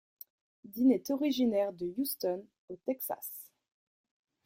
Dean est originaire de Houston, au Texas.